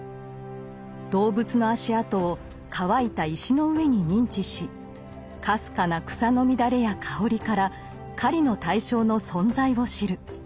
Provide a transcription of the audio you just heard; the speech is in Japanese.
動物の足跡を乾いた石の上に認知しかすかな草の乱れや香りから狩りの対象の存在を知る。